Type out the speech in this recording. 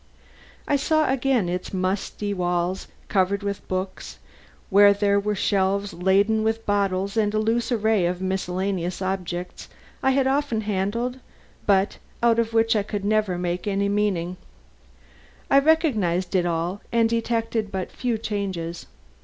I saw again its musty walls covered with books, where there were shelves laden with bottles and a loose array of miscellaneous objects I had often handled but out of which I never could make any meaning. I recognized it all and detected but few changes.